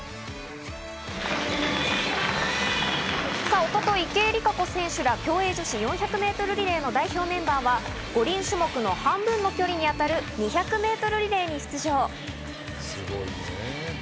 一昨日、池江璃花子選手ら競泳女子４００ｍリレーの代表メンバーは五輪種目の半分の距離に当たる２００ｍリレーに出場。